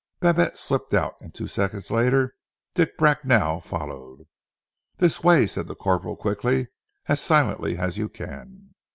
Babette slipped out, and two seconds later Dick Bracknell followed. "This way," said the corporal quickly. "As silently as you can."